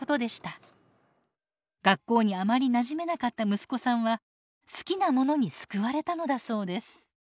学校にあまりなじめなかった息子さんは好きなものに救われたのだそうです。